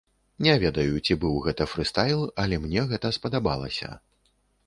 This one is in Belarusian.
Не ведаю, ці быў гэта фрыстайл, але мне гэта спадабалася.